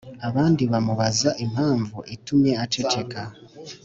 abandi bamubaza impamvu itumye aceceka.